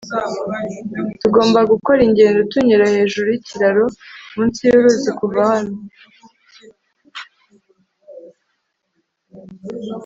tugomba gukora ingendo tunyura hejuru yikiraro munsi yuruzi kuva hano